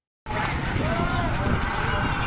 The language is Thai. ไฟมันก็โหมลุกกระหน่ำให้คุณผู้ชมดูคลิปเหตุการณ์นี้หน่อยนะฮะ